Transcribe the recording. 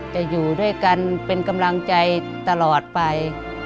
อยู่ด้วยกันเป็นกำลังใจตลอดไป